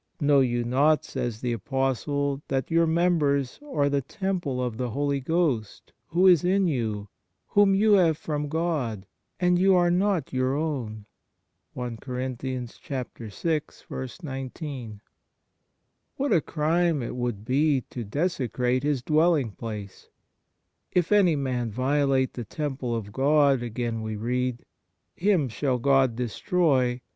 " Know you not," says the Apostle, " that your members are the temple of the Holy Ghost, who is in you, whom you have from God, and you are not your own ?" 2 What a crime it would be to desecrate His dwelling place ! "If any man violate the temple of God," again we read, " him shall God destroy.